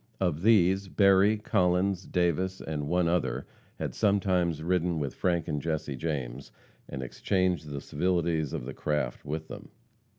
Of these, Berry, Collins, Davis, and one other, had sometimes ridden with Frank and Jesse James, and exchanged the civilities of the craft with them.